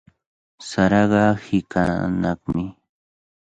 Saraqa hiqanaqmi.